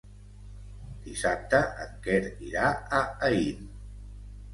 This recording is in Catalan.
Dissabte en Quer irà a Aín.